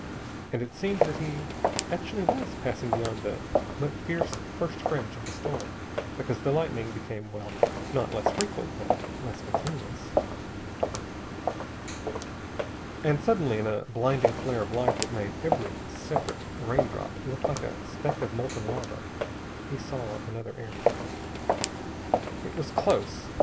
And it seemed that he actually was passing beyond the first fierce fringe of the storm, because the lightning became well, not less frequent, but less continuous. And suddenly, in a blinding flare of light that made every separate raindrop look like a speck of molten metal, he saw another airplane. It was close.